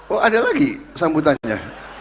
oh ada lagi sambutannya